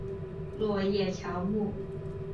落叶乔木。